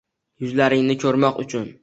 Yuzlaringni ko‘rmoq uchun